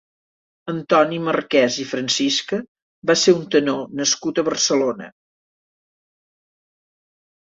Antoni Marquès i Francisca va ser un tenor nascut a Barcelona.